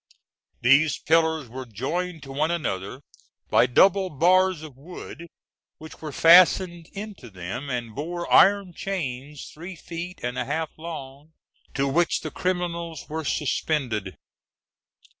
These pillars were joined to one another by double bars of wood, which were fastened into them, and bore iron chains three feet and a half long, to which the criminals were suspended.